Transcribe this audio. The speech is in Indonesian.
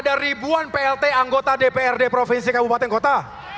apakah iya ribuan plt anggota dpr di provinsi kabupaten kota